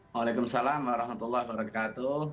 waalaikumsalam warahmatullahi wabarakatuh